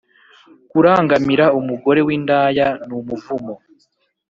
kurangamira umugore w’indaya, numuvumo